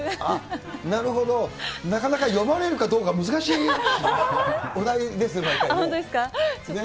なるほど、なかなか読まれるかどうか難しいお題ですね。